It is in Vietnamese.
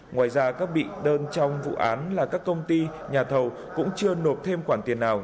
ngoài ra các bị đơn trong vụ án là các công ty nhà thầu cũng chưa nộp thêm khoản tiền nào